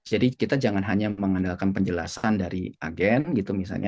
jadi kita jangan hanya mengandalkan penjelasan dari agen